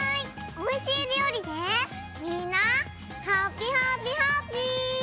おいしい料理でみんなハッピハッピハッピー！